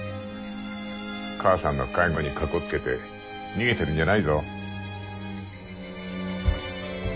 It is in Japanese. かあさんの介護にかこつけて逃げてるんじゃないぞ。